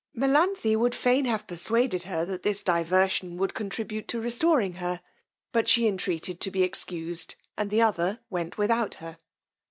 Melanthe would fain have perswaded her that this diversion would contribute to restoring her; but she entreated to be excused, and the other went without her.